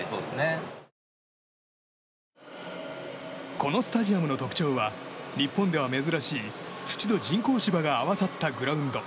このスタジアムの特徴は日本では珍しい土と人工芝が合わさったグラウンド。